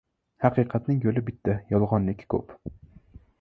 • Haqiqatning yo‘li bitta, yolg‘onniki ko‘p.